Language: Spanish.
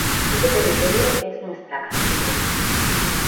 Ese territorio es nuestra Castilla"".